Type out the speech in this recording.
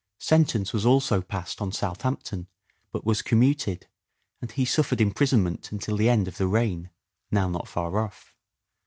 Sentence was also passed on Southampton but was commuted, and he suffered imprisonment until the end of the reign — now not far off.